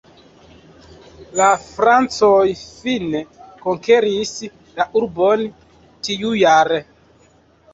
La francoj fine konkeris la urbon tiujare.